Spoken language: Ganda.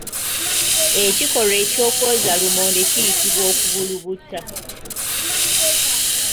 Ekikolwa ekyokwoza lumonde kiyitibwa Okubulubuuta.